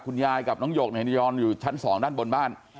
คุณยายกับน้องหยกเนี่ยย้อนอยู่ชั้นสองด้านบนบ้าน